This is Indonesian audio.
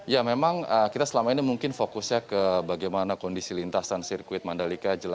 ya memang kita selama ini mungkin fokusnya ke bagaimana kondisi lintasan sirkuit mandalika